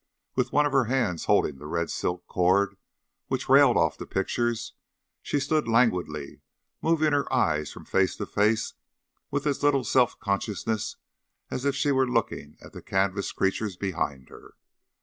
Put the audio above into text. With one of her hands holding the red silk cord which railed off the pictures, she stood languidly moving her eyes from face to face with as little self consciousness as if she were looking at the canvas creatures behind her.